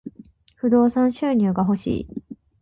不動産収入が欲しい。